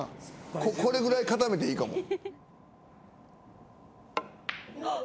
これぐらい固めていいかも。